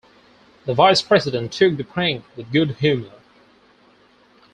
The Vice President took the prank with good humor.